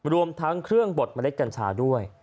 รวมทั้งเครื่องบดเมล็ดกัญชาด้วย